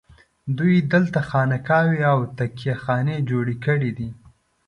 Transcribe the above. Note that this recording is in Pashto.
دوی دلته خانقاوې او تکیه خانې جوړې کړي دي.